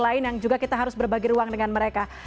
lain yang juga kita harus berbagi ruang dengan mereka